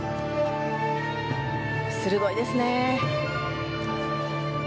鋭いですね。